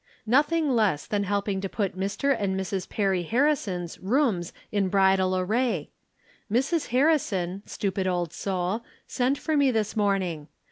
Nothing less than helping to put Mr. and Mrs. Perry Harrison's rooms in bridal array. Mrs. Harrison, stupid old soul, sent for me this morning.